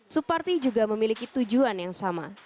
suparti juga memiliki tujuan yang sama